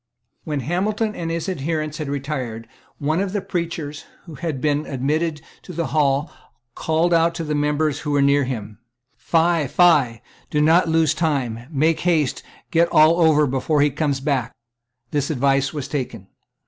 When Hamilton and his adherents had retired, one of the preachers who had been admitted to the hall called out to the members who were near him; "Fie! Fie! Do not lose time. Make haste, and get all over before he comes back." This advice was taken.